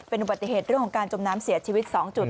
เป็นอุบัติเหตุเรื่องของการจมน้ำเสียชีวิต๒จุด